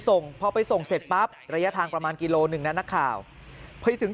ส่งพอไปส่งเสร็จปั๊บระยะทางประมาณกิโลหนึ่งนะนักข่าวไปถึง